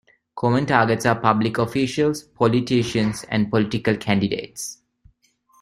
Common targets are public officials, politicians, and political candidates.